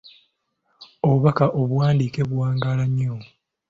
Obubbaka obuwandiike buwangaala nnyo.